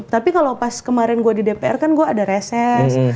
tapi kalau pas kemarin gue di dpr kan gue ada reses